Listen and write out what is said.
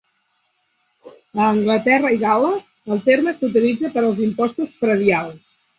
A Anglaterra i Gal·les, el terme s'utilitza per als impostos predials.